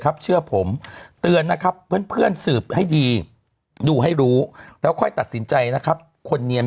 ก็เป็นแค่ความรู้สึกของผมที่จะบอกคนหนึ่ง